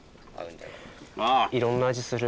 いろんな味する。